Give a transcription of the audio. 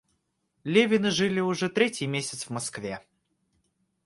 Левины жили уже третий месяц в Москве.